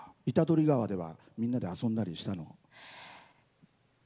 板取川ではみんなで遊んだりしたの？